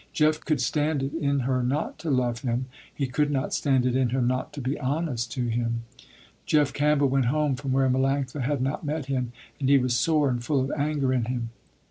Jeff could stand it in her not to love him, he could not stand it in her not to be honest to him. Jeff Campbell went home from where Melanctha had not met him, and he was sore and full of anger in him.